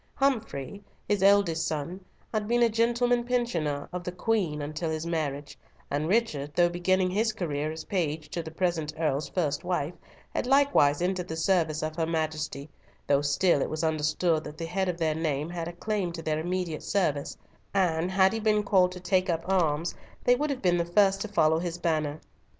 Humfrey, his eldest son, had been a gentleman pensioner of the Queen till his marriage, and Richard, though beginning his career as page to the present Earl's first wife, had likewise entered the service of her Majesty, though still it was understood that the head of their name had a claim to their immediate service, and had he been called to take up arms, they would have been the first to follow his banner.